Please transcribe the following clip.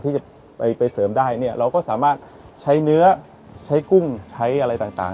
ที่จะไปเสริมได้เนี่ยเราก็สามารถใช้เนื้อใช้กุ้งใช้อะไรต่าง